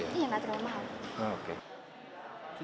iya enggak terlalu mahal